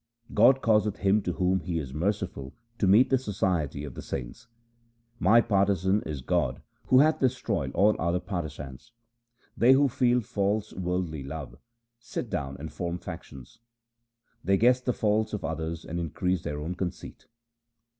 God causeth him to whom He is merciful to meet the society of the saints. My partisan is God who hath destroyed all other partisans. They who feel false worldly love, sit down and form factions. They guess the faults of others and increase their own conceit.